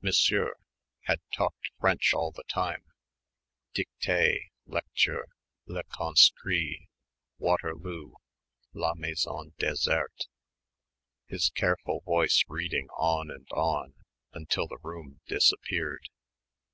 Monsieur ... had talked French all the time ... dictées ... lectures ... Le Conscrit ... Waterloo ... La Maison Déserte ... his careful voice reading on and on ... until the room disappeared....